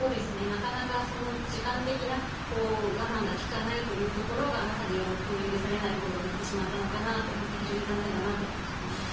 なかなか時間的な我慢が利かないところがまさに許されない行動に出てしまったのかなと思って非常に残念だなと感じています。